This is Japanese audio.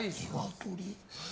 鶏？